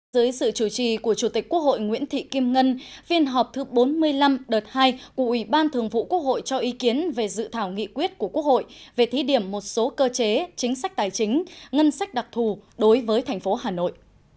dưới sự chủ trì của chủ tịch quốc hội nguyễn thị kim ngân viên họp thứ bốn mươi năm đợt hai của ủy ban thường vụ quốc hội cho ý kiến về dự thảo nghị quyết của quốc hội về thí điểm một số cơ chế chính sách tài chính ngân sách đặc thù đối với thành phố hà nội